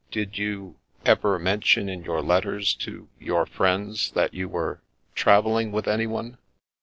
Did you— ever mention in your letters to— your friends that you were — ^travelling with anyone?